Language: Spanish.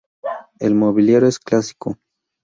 El mobiliario es clásico.